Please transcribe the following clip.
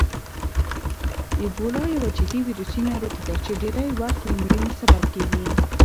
اېبولا یوه جدي ویروسي ناروغي ده چې ډېری وخت د مړینې سبب کېږي.